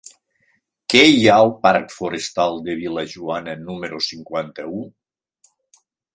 Què hi ha al parc Forestal de Vil·lajoana número cinquanta-u?